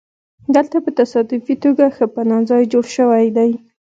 دلته په تصادفي توګه ښه پناه ځای جوړ شوی دی